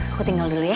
aku tinggal dulu ya